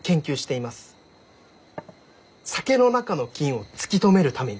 酒の中の菌を突き止めるために。